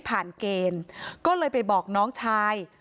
พี่สาวบอกว่าไม่ได้ไปกดยกเลิกรับสิทธิ์นี้ทำไม